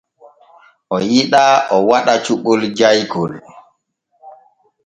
O yiɗaa o waɗa cuɓol jaykol.